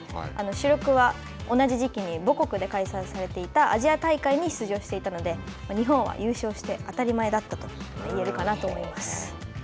主力は同じ時期に母国で開催されていたアジア大会に出場していたので、日本は、優勝して当たり前だった言えるかなと思います。